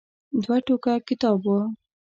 دوه ټوکه کتاب و.